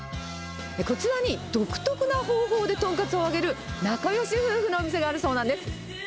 こちらに独特な方法で豚カツを揚げる仲よし夫婦のお店があるそうなんです。